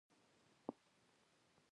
هغوی به دې په لیدو ډېر خوشحاله او خوښ شي.